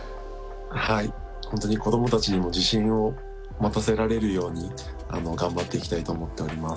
はい本当に子どもたちにも自信を持たせられるように頑張っていきたいと思っております。